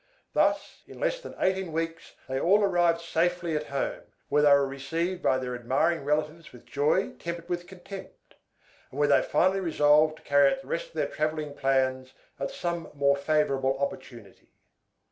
Thus in less than eighteen weeks they all arrived safely at home, where they were received by their admiring relatives with joy tempered with contempt, and where they finally resolved to carry out the rest of their travelling plans at some more favorable opportunity.